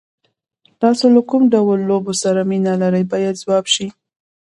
تاسو له کوم ډول لوبو سره مینه لرئ باید ځواب شي.